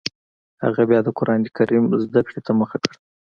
هغه بیا د قران کریم زده کړې ته مخه کړه